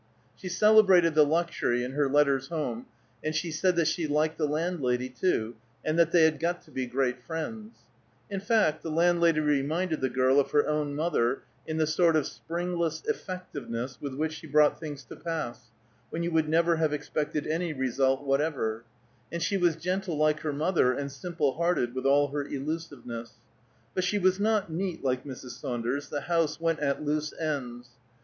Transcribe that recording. She celebrated the luxury in her letters home, and she said that she liked the landlady, too, and that they had got to be great friends; in fact the landlady reminded the girl of her own mother in the sort of springless effectiveness with which she brought things to pass, when you would never have expected any result whatever; and she was gentle like her mother, and simple hearted, with all her elusiveness. But she was not neat, like Mrs. Saunders; the house went at loose ends.